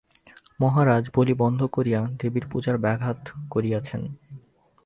মহারাজ বলি বন্ধ করিয়া দেবীর পূজার ব্যাঘাত করিয়াছেন।